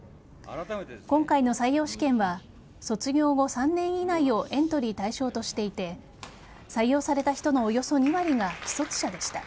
今回の採用試験は卒業後３年以内をエントリー対象としていて採用された人のおよそ２割が既卒者でした。